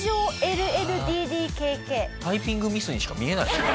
タイピングミスにしか見えない。